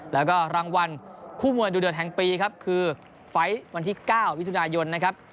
แล้วก็รางวัลคู่มวยดูเดือดแห่งปีครับคือไฟล์วันที่๙มิถุนายนนะครับ